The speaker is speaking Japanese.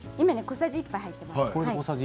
小さじ１杯入っています。